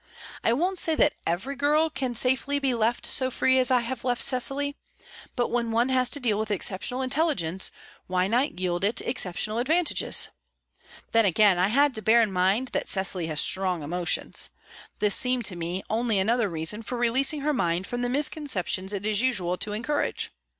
I won't say that every girl can safely be left so free as I have left Cecily; but when one has to deal with exceptional intelligence, why not yield it the exceptional advantages? Then again, I had to bear in mind that Cecily has strong emotions. This seemed to me only another reason for releasing her mind from the misconceptions it is usual to encourage.